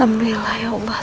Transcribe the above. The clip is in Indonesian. alhamdulillah ya allah